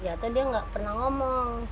atau dia nggak pernah ngomong